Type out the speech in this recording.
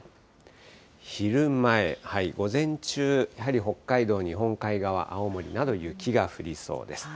昼前、午前中、やはり北海道、日本海側、青森など、雪が降りそうです。